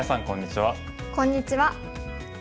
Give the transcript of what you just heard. こんにちは。